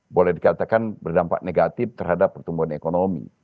boleh dikatakan berdampak negatif terhadap pertumbuhan ekonomi